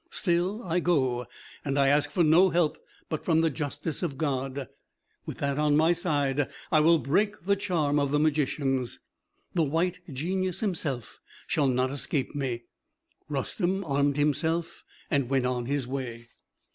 Still I go, and I ask for no help but from the justice of God. With that on my side I will break the charm of the magicians. The White Genius himself shall not escape me." Rustem armed himself, and went on his way.